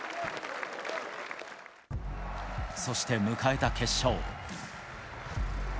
そして迎えた決勝。